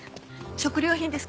食料品ですか？